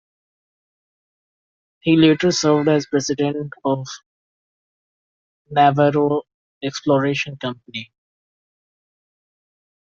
He later served as President of Navarro Exploration Company.